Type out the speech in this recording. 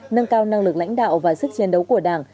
nâng cao năng lực lãnh đạo và sức chiến đấu của đảng